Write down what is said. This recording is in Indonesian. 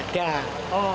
kerja di keluarga